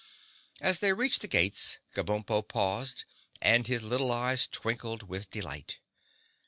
As they reached the gates, Kabumpo paused and his little eyes twinkled with delight.